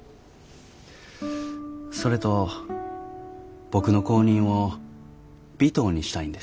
それと僕の後任を尾藤にしたいんです。